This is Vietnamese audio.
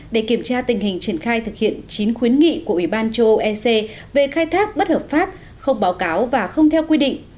để kiểm tra tình hình triển khai thực hiện chín khuyến nghị của ủy ban châu âu ec về khai thác bất hợp pháp không báo cáo và không theo quy định